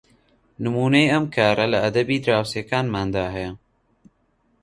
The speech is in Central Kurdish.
نمونەی ئەم کارە لە ئەدەبی دراوسێکانماندا هەیە